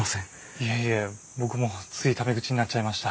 いえいえ僕もついタメ口になっちゃいました。